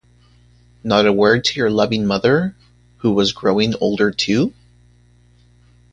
Not a word to your loving mother, who was growing older too?